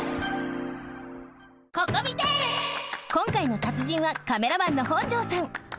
こんかいの達人はカメラマンの本城さん。